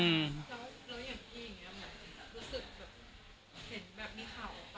เหมือนติดโควิดแล้วบ้านก็ยังถูกไฟไหม้